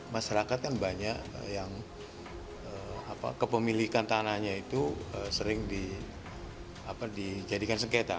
masyarakat kan banyak yang kepemilikan tanahnya itu sering dijadikan sengketa